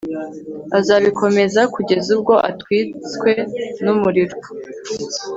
azabikomeza kugeza ubwo atwitswe n'umuriro